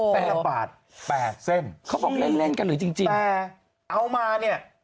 แต่ละบาทแต่เส้นเขาบอกเล่นกันหรือจริงแต่เอามาเนี่ย